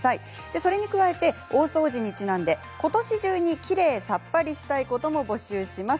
それに加えて大掃除にちなんでことし中にきれいさっぱりしたいことも募集します。